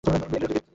বিয়ে করে ফেলি?